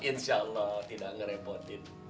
insya allah tidak ngerepotin